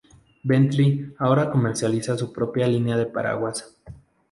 Bentley ahora comercializa su propia línea de paraguas.